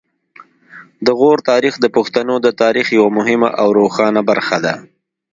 د غور تاریخ د پښتنو د تاریخ یوه مهمه او روښانه برخه ده